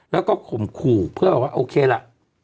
แล้วก็ข่มขู่เพื่อแบบว่าโอเคล่ะ